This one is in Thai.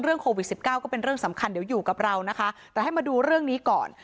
เรื่องโควิด๑๙ก็เป็นเรื่องสำคัญยังอยู่กับเราแต่ให้มาดูเรื่องนี้ก่อน